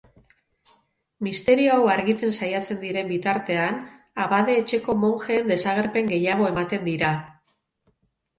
Misterio hau argitzen saiatzen diren bitartean, abade-etxeko monjeen desagerpen gehiago ematen dira.